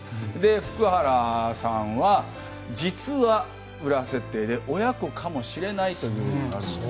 福原さんは実は裏設定で親子かもしれないという。